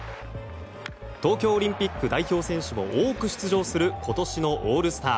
東京オリンピック代表選手も多く出場する今年のオールスター。